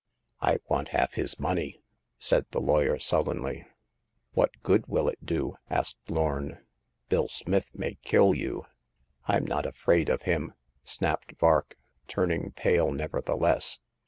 I want half his money," said the lawyer, sullenly. "What good will it do ?" asked Lorn. " Bill Smith may kill you." " Fm not afraid of him !" snapped Vark, turn ing pale nevertheless.